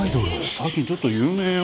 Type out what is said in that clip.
最近ちょっと有名よ。